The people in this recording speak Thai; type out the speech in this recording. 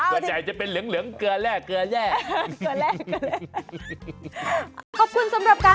ตัวใหญ่จะเป็นเหลืองเกลือแหล่